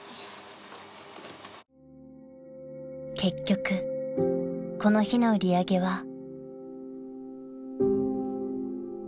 ［結局この日の売り上げは］